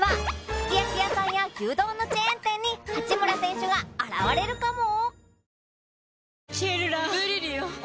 すき焼き屋さんや牛丼のチェーン店に八村選手が現れるかも？